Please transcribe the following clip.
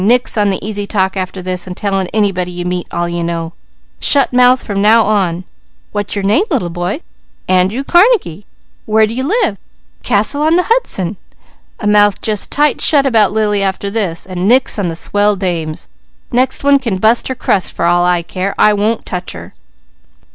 Nix on the easy talk after this; and telling anybody you meet all you know. Shut mouth from now on. 'What's your name, little boy?' 'Andrew Carnegie.' 'Where d'you live?' 'Castle on the Hudson!' A mouth just tight shut about Lily, after this! And nix on the Swell Dames! Next one can bust her crust for all I care! I won't touch her!"